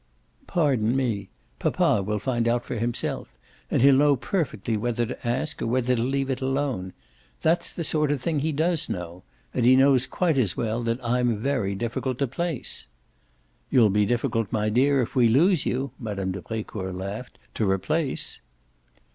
"Pardon me, papa will find out for himself; and he'll know perfectly whether to ask or whether to leave it alone. That's the sort of thing he does know. And he knows quite as well that I'm very difficult to place." "You'll be difficult, my dear, if we lose you," Mme. de Brecourt laughed, "to replace!"